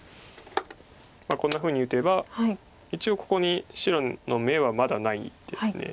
こんなふうに打てば一応ここに白の眼はまだないです。